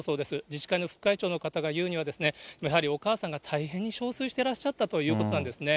自治体の副会長の方が言うには、やはりお母さんが大変に憔悴してらっしゃったということなんですね。